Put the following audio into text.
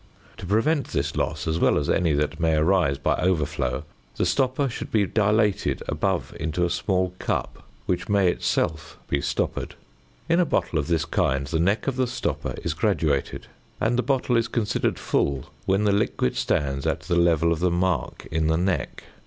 To prevent this loss, as well as any that may arise by overflow, the stopper should be dilated above into a small cup, A (fig. 36), which may itself be stoppered. In a bottle of this kind the neck of the stopper is graduated, and the bottle is considered full when the liquid stands at the level of the mark in the neck.